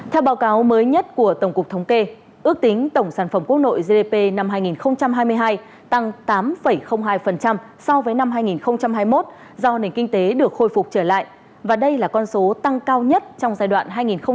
theo báo cáo mới nhất của tổng cục thống kê ước tính tổng sản phẩm quốc nội gdp năm hai nghìn hai mươi hai tăng tám hai so với năm hai nghìn hai mươi một do nền kinh tế được khôi phục trở lại và đây là con số tăng cao nhất trong giai đoạn hai nghìn hai mươi một hai nghìn hai mươi